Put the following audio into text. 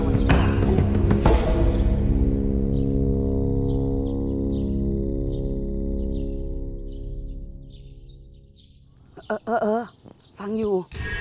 เออเออเออฟังอยู่